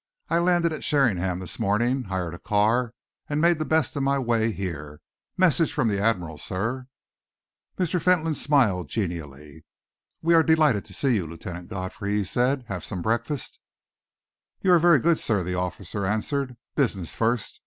I landed at Sheringham this morning, hired a car and made the best of my way here. Message from the Admiral, sir." Mr. Fentolin smiled genially. "We are delighted to see you, Lieutenant Godfrey," he said. "Have some breakfast." "You are very good, sir," the officer answered. "Business first.